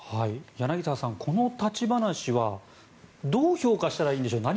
柳澤さん、この立ち話はどう評価したらいいんでしょうか。